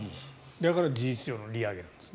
だから事実上の利上げなんですね。